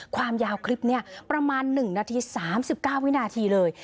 ความยาวคลิปนี้ประมาณ๑นาที๓๙วินาทีเลย